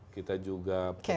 kita juga populasi